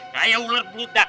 kayak ular beludak